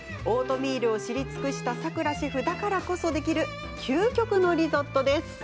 オートミールを知り尽くしたさくらシェフだからこそできる究極のリゾットです。